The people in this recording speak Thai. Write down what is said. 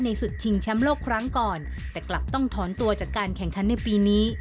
ศึกชิงแชมป์โลกครั้งก่อนแต่กลับต้องถอนตัวจากการแข่งขันในปีนี้